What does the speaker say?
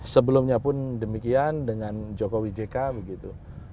sebelumnya pun demikian dengan jokowi j k begitu